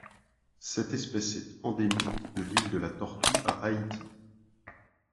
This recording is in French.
Cette espèce est endémique de l'île de la Tortue à Haïti.